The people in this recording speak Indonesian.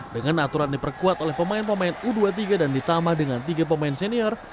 dengan aturan diperkuat oleh pemain pemain u dua puluh tiga dan ditambah dengan tiga pemain senior